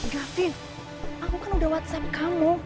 david aku kan udah whatsapp kamu